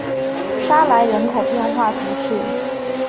沙莱人口变化图示